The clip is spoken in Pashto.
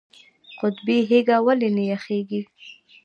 قطبي هیږه ولې نه یخیږي؟